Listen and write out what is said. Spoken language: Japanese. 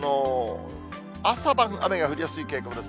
朝晩、雨が降りやすい傾向です。